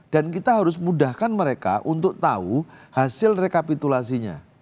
dan kita harus mudahkan mereka untuk tahu hasil rekapitulasinya